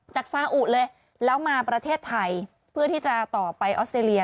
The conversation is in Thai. ซาอุเลยแล้วมาประเทศไทยเพื่อที่จะต่อไปออสเตรเลีย